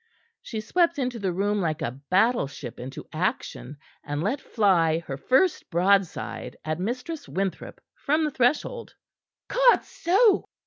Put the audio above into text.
She swept into the room like a battleship into action, and let fly her first broadside at Mistress Winthrop from the threshold. "Codso!"